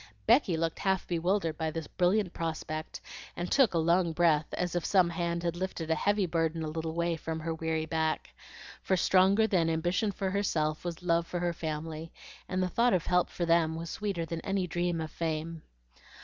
Becky looked half bewildered by this brilliant prospect, and took a long breath, as if some hand had lifted a heavy burden a little way from her weary back, for stronger than ambition for herself was love for her family, and the thought of help for them was sweeter than any dream of fame.